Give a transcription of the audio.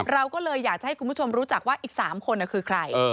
เราก็เลยอยากจะให้คุณผู้ชมรู้จักว่าอีก๓คนคือใคร